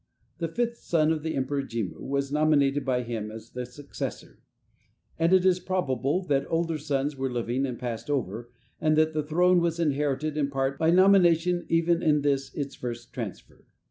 The fifth son of the Emperor Jimmu was nominated by him as the successor, and it is probable that older sons were living and passed over, and that the throne was inherited in part by nomination even in this its first transfer.